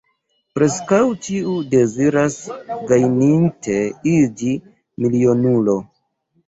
Preskaŭ ĉiu deziras gajninte iĝi milionulo.